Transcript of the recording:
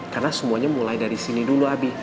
karena semuanya mulai dari sini dulu abi